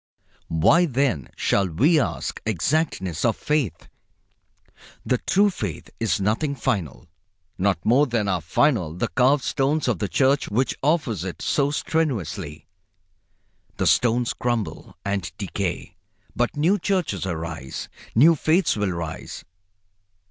Why, then, shall we ask exactness of faith? The true faith is nothing final, not more than are final the carved stones of the church which offers it so strenuously. The stones crumble and decay, but new churches rise. New faiths will rise.